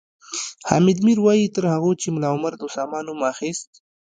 حامد میر وایي تر هغو چې ملا عمر د اسامه نوم اخیست